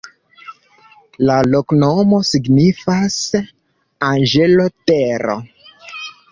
La loknomo signifas: anĝelo-tero.